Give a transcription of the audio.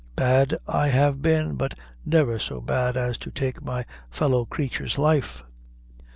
Bad I have been, but never so bad as to take my fellow crature's life."